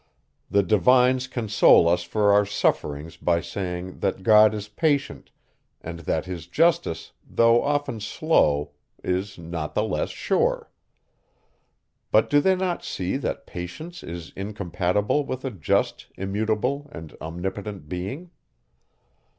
The divines console us for our sufferings by saying, that God is patient, and that his justice, though often slow, is not the less sure. But do they not see, that patience is incompatible with a just, immutable, and omnipotent being?